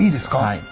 はい。